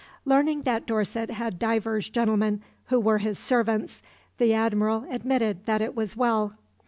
Learning that Dorset had divers gentlemen who were his servants, the Admiral admitted that it was well.